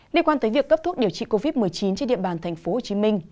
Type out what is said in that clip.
liên quan tới việc cấp thuốc điều trị covid một mươi chín trên địa bàn tp hcm